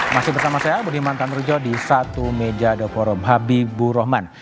masih bersama saya budi mantan rujo di satu meja the forum habibu rohman